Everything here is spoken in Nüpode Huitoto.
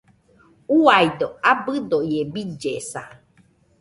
Uaido, abɨdo ie billesa.